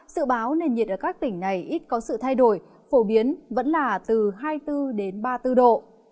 sự báo nền nhiệt ở các tỉnh này ít có sự thay đổi phổ biến vẫn là từ hai mươi bốn đến ba mươi bốn độ